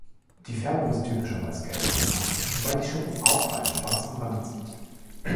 Die Färbung ist typischerweise gelb bis orange, wobei die Schuppen auffallend schwarz umrandet sind.